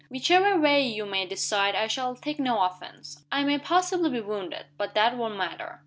Whichever way you may decide I shall take no offense. I may possibly be wounded but that won't matter.